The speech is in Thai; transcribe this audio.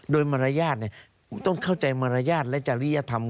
โดยมารยาทต้องเข้าใจมารยาทและจริยธรรม